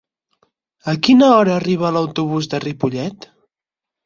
A quina hora arriba l'autobús de Ripollet?